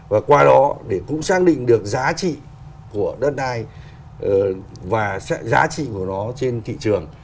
và qua đó để cũng xác định được giá trị của đất đai và giá trị của nó trên thị trường